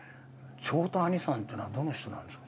「朝太兄さんっていうのはどの人なんですか？」